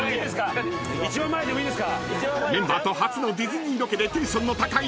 ［メンバーと初のディズニーロケでテンションの高い飯尾さん］